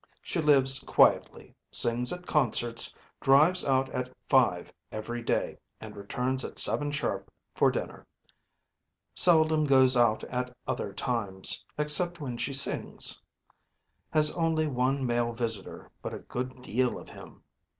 She lives quietly, sings at concerts, drives out at five every day, and returns at seven sharp for dinner. Seldom goes out at other times, except when she sings. Has only one male visitor, but a good deal of him.